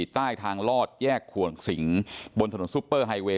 ใต้ทางลอดแยกขวงสิงบนถนนซุปเปอร์ไฮเวย